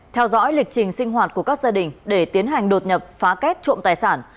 theo dõi lịch trình sinh hoạt của các gia đình để tiến hành đột nhập phá kết trộm tài sản